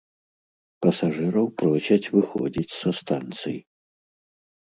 Пасажыраў просяць выходзіць са станцый.